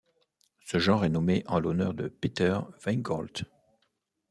Ce genre est nommé en l'honneur de Peter Weygoldt.